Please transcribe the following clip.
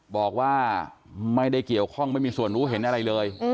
บอกว่าไม่ได้เกี่ยวข้องไม่มีส่วนรู้เห็นอะไรเลย